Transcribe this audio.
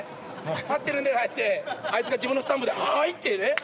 「待ってるんで」とかいってあいつが自分のスタンプで「はい！」っていうね。